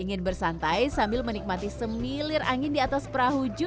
ingin bersantai sambil menikmati semilir angin di atas perahu